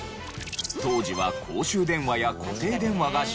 当時は公衆電話や固定電話が主流の時代。